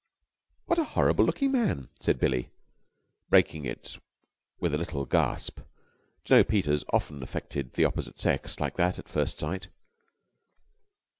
"What a horrible looking man!" said Billie, breaking it with a little gasp. Jno. Peters often affected the opposite sex like that at first sight.